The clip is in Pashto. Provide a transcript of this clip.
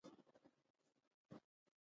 د نقرس لپاره باید څه شی وڅښم؟